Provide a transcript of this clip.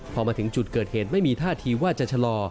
พอมาถึงจุดเกิดเหตุไม่มีท่าทีว่าจะชะลอ